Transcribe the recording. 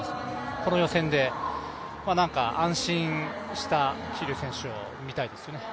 この予選で安心した桐生選手を見たいですよね。